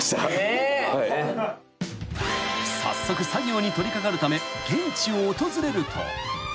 ［早速作業に取り掛かるため現地を訪れると］